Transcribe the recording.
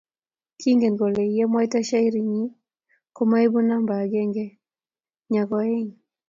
kingen kole yemwaita shairi nyii ko mo koibu numba akenge nya koeng